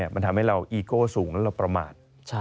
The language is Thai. มันทำให้เราอีโก้สูงแล้วเราประมาท